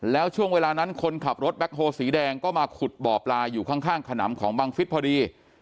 แล้วช่วงเวลานั้นคนขับรถแบ็คโฮสีแดงก็มาขุดบ่อปลาอยู่ข้างขนำของบังฟิศพอดี